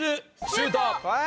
シュート！